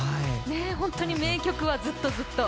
本当に名曲はずっとずっと。